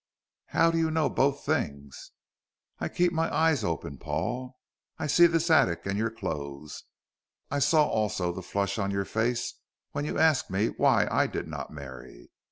"How do you know both things?" "I keep my eyes open, Paul. I see this attic and your clothes. I saw also the flush on your face when you asked me why I did not marry.